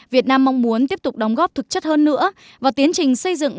việt nam mong muốn tiếp tục đóng góp thực chất hơn nữa vào tiến trình xây dựng